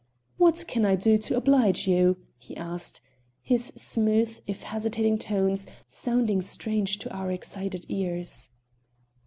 "What can I do to oblige you?" he asked; his smooth, if hesitating tones, sounding strange to our excited ears.